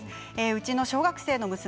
うちの小学生の娘